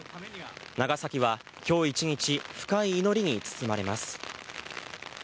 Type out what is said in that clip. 長崎は今日一日深い祈りに包まれます。